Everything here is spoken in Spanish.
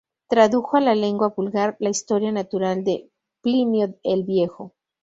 Tradujo a la lengua vulgar la "Historia Natural" de Plinio el Viejo.